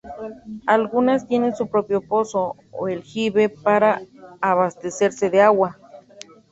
Algunas tienen su propio pozo o aljibe para abastecerse de agua.